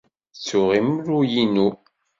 Ttuɣ imru-inu.